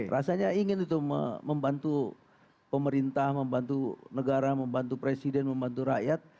rasanya ingin itu membantu pemerintah membantu negara membantu presiden membantu rakyat